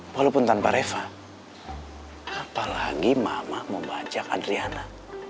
walaupun tanpa reva apalagi mama mau bajak adriana